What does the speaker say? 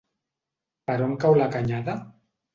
Per on cau la Canyada?